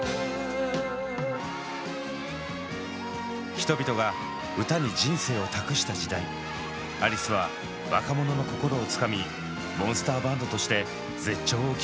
人々が歌に人生を託した時代アリスは若者の心をつかみモンスターバンドとして絶頂を極めます。